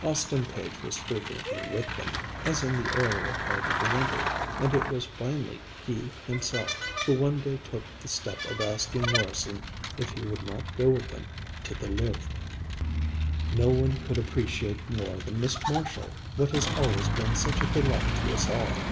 Austin Page was frequently with them, as in the earlier part of the winter, and it was finally he himself who one day took the step of asking Morrison if he would not go with them to the Louvre. "No one could appreciate more than Miss Marshall what has always been such a delight to us all."